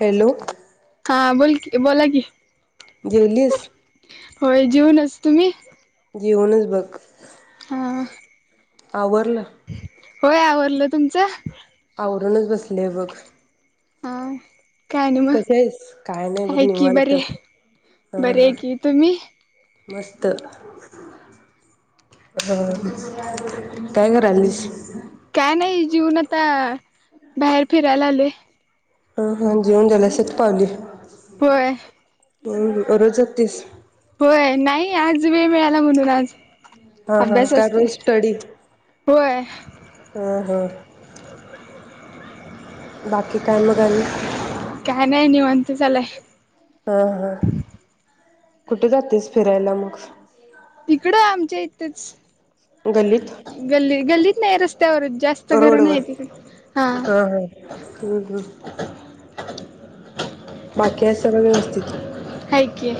Hello! हा बोल की बोला की जेवलीस? होय जेऊनस तूमी जेऊनच बघ हा! आवरलं होय आवरडलं तुमचं अवरूनच बसले बघ हां कश आहेस काय नाही बघ निवांत बरे हा बरे आहे की तुम्ही ह मस्त काय करायलीस काय नाही जीऊन आता बाहेर फिरायला आले ह हांजी हन जाऊन झाले शत पावली होय रोज जातेस होय नाही आज वेळ मिळाला म्हणून आज हा हा अभ्यास कर असते मग स्टडी होय हा हा बाकी काय मग आणि काय नाही निवांत चालय हा हा कुठे जातेस फिरायला मग इकडं आमच्या इथंच गलित गेलीत नाही रस्त्यावर रस्त्यावर जास्त घर नाही त हा [inaudible] बाकी हाय सगळं व्यवस्थित हाय की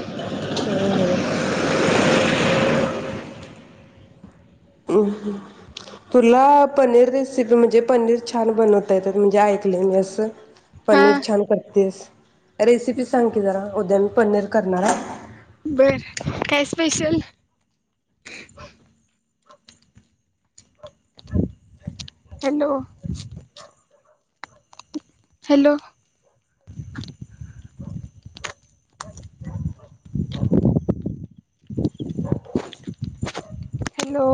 हम्म म तुला पनीर रेसिपी म्हणजे पनीर छान बनवता येत म्हणजे ऐकलंय मी असं हा पनीर छान करतेस रेसिपी सांग की जरा उद्याम पनीर करणारा बर काय special hello hello [inaudible] hello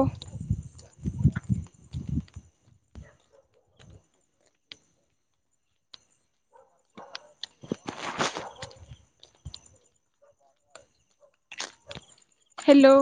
hello